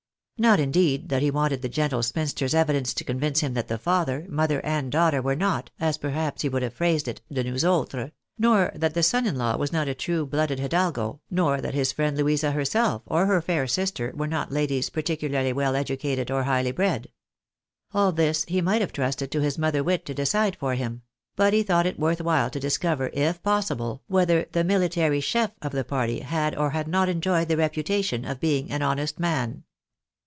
S"ot, indeed, that he wanted the gentle spinster's evidence to convince him that the father, mother, and daughter were not, as perhaps he would have phrased it, " de nous autres" nor that the son in law was not a true blooded Hidalgo, nor that his friend Louisa herself, or her fair sister, were not ladies particu larly well educated or highly bred. All this he might have trusted to his mother wit to decide for him ; but he thought it worth while to discover, if possible, whether the military c/ie/of the party had 6v had not enjoyed the reputation of being an honest man.